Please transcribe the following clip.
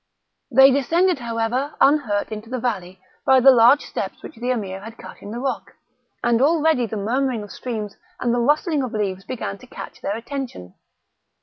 They descended, however, unhurt into the valley, by the large steps which the Emir had cut in the rock; and already the murmuring of streams and the rustling of leaves began to catch their attention.